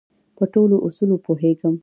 په ټولو اصولو پوهېږم.